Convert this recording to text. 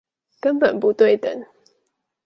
根本不對等